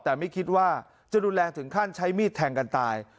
แต่ไม่คิดว่าจะรุนแรงถึงขั้นใช้มีดแทงกันตาย